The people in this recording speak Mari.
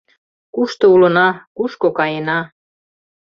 — Кушто улына, кушко каена?